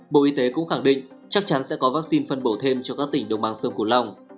bộ y tế cũng khẳng định chắc chắn sẽ có vaccine phân bổ thêm cho các tỉnh đồng bằng sơn củ lòng